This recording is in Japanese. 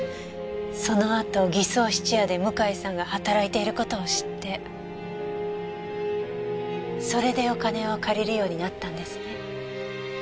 そのあと偽装質屋で向井さんが働いている事を知ってそれでお金を借りるようになったんですね。